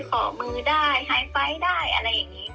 ขอมือได้ไฮไฟท์ได้อะไรอย่างนี้